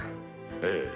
ええ。